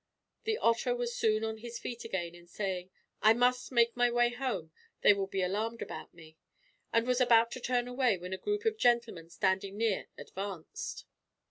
The Otter was soon on his feet again and, saying, "I must make my way home, they will be alarmed about me," was about to turn away, when a group of gentlemen standing near advanced.